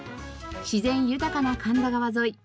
自然豊かな神田川沿い